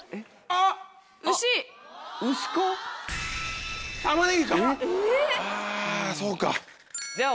あぁそうか。